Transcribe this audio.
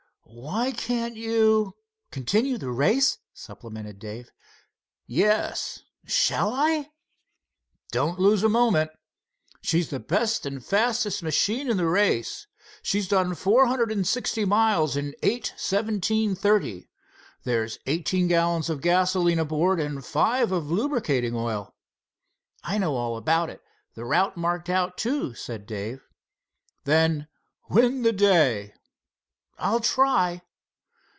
"Why can't you——" "Continue the race?" supplemented Dave. "Yes." "Shall I?" "Don't lose a moment. She's the best and fastest machine in the race. She's done 460 miles in 8: 17: 30. There's 18 gallons of gasoline aboard and five of lubricating oil." "I know all about it—the route marked out, too," said Dave. "Then win the day!" "I'll try."